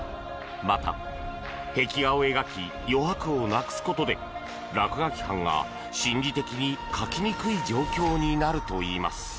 また、壁画を描き余白をなくすことで落書き犯が心理的に書きにくい状況になるといいます。